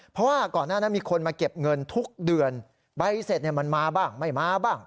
เพราะว่าก่อนหน้านั้นมีคนมาเก็บเงินทุกเดือนใบเสร็จมันมาบ้างไม่มาบ้าง